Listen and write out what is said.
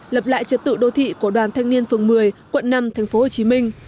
lập lại trật tự đô thị của đoàn thanh niên phường một mươi quận năm tp hcm